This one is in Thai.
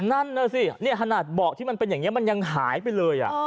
นั่นน่ะสิเนี่ยขนาดเบาะที่มันเป็นอย่างนี้มันยังหายไปเลย